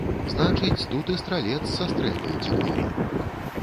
Значыць, тут і стралец са стрэльбай цікуе.